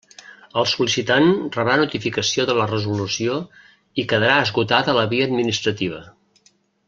El sol·licitant rebrà notificació de la resolució, i quedarà esgotada la via administrativa.